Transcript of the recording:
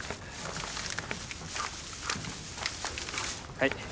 はい。